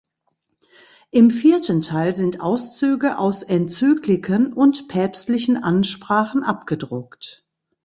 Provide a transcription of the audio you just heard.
Im vierten Teil sind Auszüge aus Enzykliken und päpstlichen Ansprachen abgedruckt.